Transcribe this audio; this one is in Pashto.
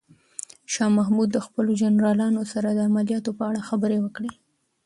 شاه محمود د خپلو جنرالانو سره د عملیاتو په اړه خبرې وکړې.